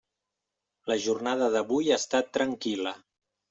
La jornada d'avui ha estat tranquil·la.